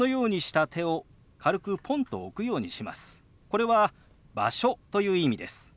これは「場所」という意味です。